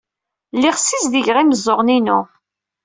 Lliɣ ssizdigeɣ imeẓẓuɣen-inu.